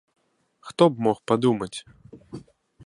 Хто б мог падумаць!